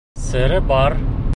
Сере бар.